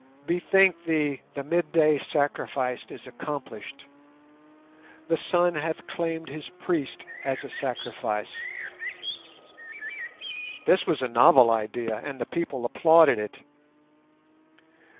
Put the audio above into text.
Bethink thee the midday sacrifice is accomplished; the Sun hath claimed his priest as a sacrifice." This was a novel idea, and the people applauded it.